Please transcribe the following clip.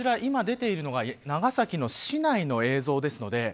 こちら今出ているのが長崎の市内の映像です。